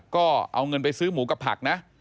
ก็เอาเงินไปซื้อหมูกับผักนะ